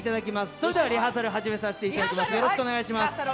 それではリハーサル始めさせていただきます。